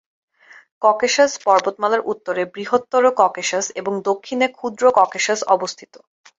Caucasus পর্বতমালার উত্তরে বৃহত্তর ককেশাস এবং দক্ষিণে ক্ষুদ্র ককেশাস অবস্থিত।